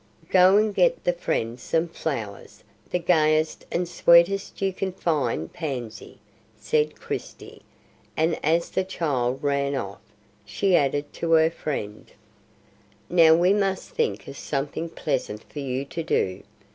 "Go and get the friend some flowers, the gayest and sweetest you can find, Pansy," said Christie, and, as the child ran off, she added to her friend: "Now we must think of something pleasant for you to do.